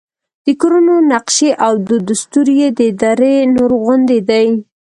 د کورونو نقشې او دود دستور یې د دره نور غوندې دی.